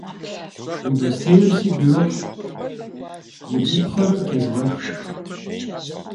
Уи бостейр сигу ирохь, и бзыпхъэр тезгъэх.